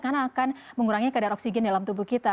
karena akan mengurangi kadar oksigen dalam tubuh kita